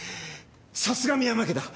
さすが深山家だ。